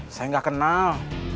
saya nggak kenal